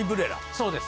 そうです。